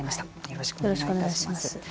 よろしくお願いします。